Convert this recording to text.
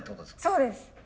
そうです。